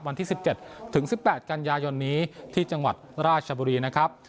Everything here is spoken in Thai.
วันที่๑๗ถึง๑๘กันยายนนี้ที่จังหวัดราชบุรีนะครับ